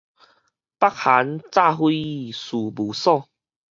北韓炸毀事務所